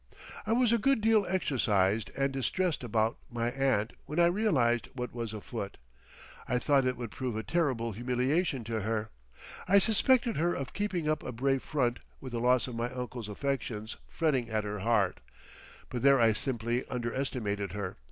I was a good deal exercised and distressed about my aunt when I realised what was afoot. I thought it would prove a terrible humiliation to her. I suspected her of keeping up a brave front with the loss of my uncle's affections fretting at her heart, but there I simply underestimated her.